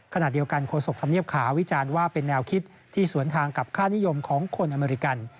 ขณะเดียวกันโฆษกธรรมเนียบขาวิจารณ์ว่าเป็นแนวคิดที่สวนทางกับค่านิยมของคนอเมริกัน